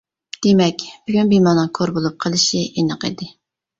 دېمەك، بۈگۈن بىمارنىڭ كور بولۇپ قېلىشى ئېنىق ئىدى.